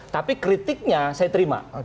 tapi kritiknya saya terima